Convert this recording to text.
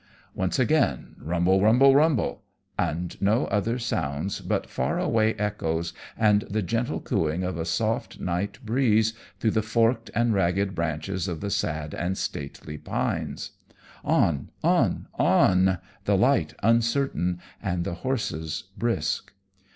Once again, rumble, rumble, rumble; and no other sounds but far away echoes and the gentle cooing of a soft night breeze through the forked and ragged branches of the sad and stately pines. On, on, on, the light uncertain and the horses brisk.